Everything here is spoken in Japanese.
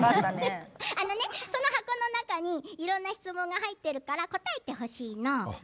その箱の中にいろんな質問が入っているから答えてほしいの。